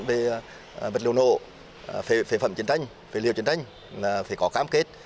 về vật liệu nổ phế phẩm chiến tranh phế liệu chiến tranh là phải có cam kết